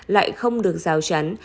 lại không được rào chắn